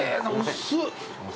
薄っ。